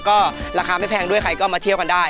ก็ราคาไม่แพงด้วยใครก็มาเที่ยวกันได้